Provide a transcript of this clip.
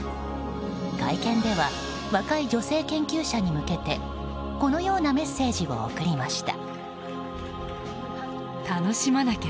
会見では若い女性研究者に向けてこのようなメッセージを送りました。